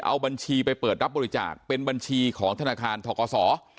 เอาบัญชีไปเปิดรับบริจาคเป็นบัญชีของธนาคารทกศ